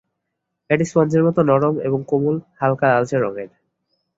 এটি স্পঞ্জের মতো নরম এবং কোমল, হালকা লালচে রঙের।